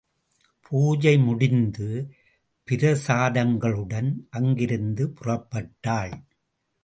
பூஜை முடிந்து, பிரசாதங்களுடன் அங்கிருந்து புறப்பட்டாள்.